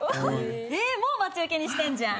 えもう待ち受けにしてんじゃん！